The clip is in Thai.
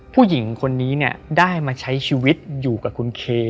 ผู้หญิงคนนี้เนี่ยได้มาใช้ชีวิตอยู่กับคุณเค